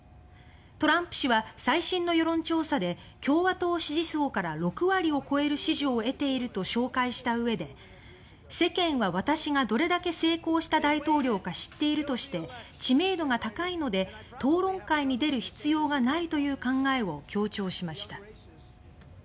トランプ氏は最新の世論調査で共和党支持層から６割を超える支持を得ていると紹介したうえで「世間は私がどれだけ成功した大統領か知っている」として知名度が高いので討論会に出る必要がないという考えを強調しました。